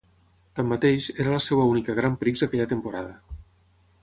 Tanmateix, era la seva única Grand Prix aquella temporada.